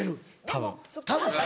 たぶん。